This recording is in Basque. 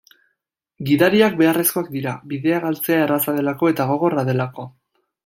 Gidariak beharrezkoak dira, bidea galtzea erraza delako eta gogorra delako.